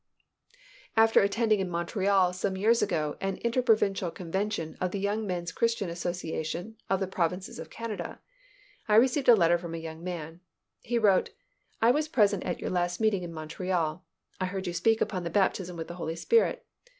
After attending in Montreal some years ago an Inter provincial Convention of the Young Men's Christian Association of the Provinces of Canada, I received a letter from a young man. He wrote, "I was present at your last meeting in Montreal. I heard you speak upon the Baptism with the Holy Spirit.